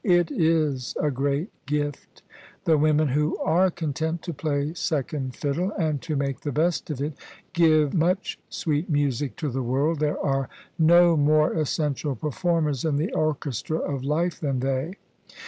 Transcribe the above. It is a great gift. The women who are content to play second fiddle, and to make the best of it, give much sweet music to the world: there are no more essential performers in the orchestra of life than they.